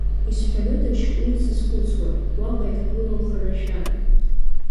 Изҳәарыдашь урҭ зызхәыцуа, уаҟа иахьгылоу харашәа.